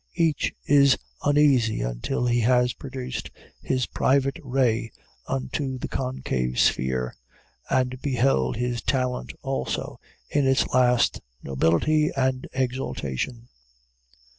Each is uneasy until he has produced his private ray unto the concave sphere, and beheld his talent also in its last nobility and exaltation.